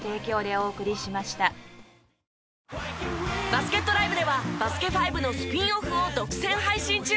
バスケットＬＩＶＥでは『バスケ☆ＦＩＶＥ』のスピンオフを独占配信中！